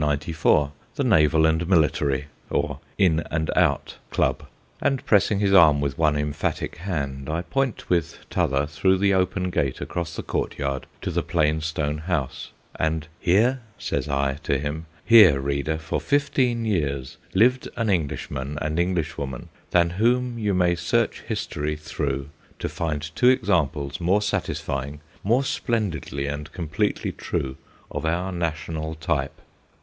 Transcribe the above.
94, the Naval and Military, or ' In and Out ' Club, and, press ing his arm with one emphatic hand, I point with t'other through the open gate across the courtyard to the plain stone house, and 'Here,' says I to him, 'here, reader, for fifteen years lived an Englishman and English woman than whom you may search history through to find two examples more satisfying, more splendidly and completely true, of our national type.